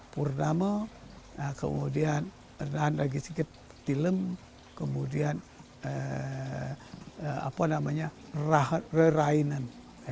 purnama kemudian dan lagi sedikit tilem kemudian apa namanya rerainan